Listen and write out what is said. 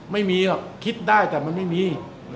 ไม่มีหรอกคิดได้แต่มันไม่มี